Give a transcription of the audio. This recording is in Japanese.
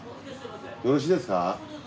よろしいですか？